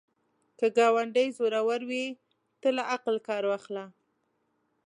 که ګاونډی زورور وي، ته له عقل کار واخله